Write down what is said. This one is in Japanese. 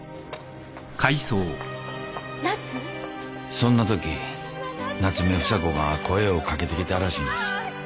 そんなとき夏目房子が声を掛けてきたらしいんです。